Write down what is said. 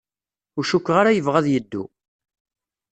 Ur cukkeɣ ara yebɣa ad yeddu.